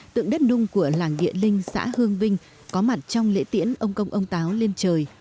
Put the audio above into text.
tượng đất nung của làng địa linh xã hương vinh có mặt trong lễ tiễn ông công ông táo lên trời